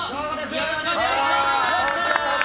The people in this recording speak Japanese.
よろしくお願いします！